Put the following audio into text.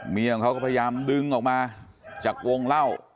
ของเขาก็พยายามดึงออกมาจากวงเล่า